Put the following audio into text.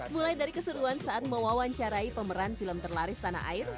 mulai dari keseruan saat mewawancarai pemeran film terlaris tanah air